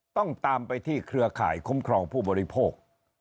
ต้องตามไปที่เครือข่ายคุ้มครองผู้บริโภค